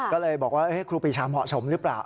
ก็เลยบอกว่าครูปีชาเหมาะสมหรือเปล่า